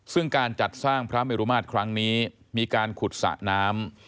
ซึ่งการจัดสร้างพระเมรุมาตรครั้งนี้มีการขุดสระน้ำ